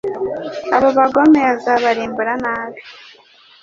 "Abo bagome azabarimbura nabi,